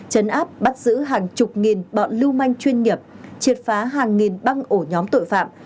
chấn áp bắt giữ hàng chục nghìn bọn lưu manh chuyên nghiệp triệt phá hàng nghìn băng ổ nhóm tội phạm